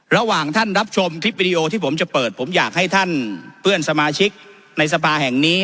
ระหว่างท่านรับชมคลิปวิดีโอที่ผมจะเปิดผมอยากให้ท่านเพื่อนสมาชิกในสภาแห่งนี้